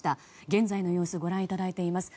現在の様子ご覧いただいています。